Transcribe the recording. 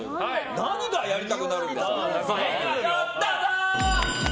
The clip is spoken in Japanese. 何がやりたくなるんでしょう。